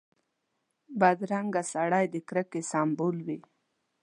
بدرنګه سړی د کرکې سمبول وي